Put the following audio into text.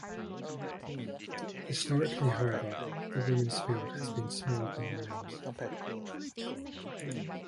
Historically, however, the women's field has been smaller than the men's.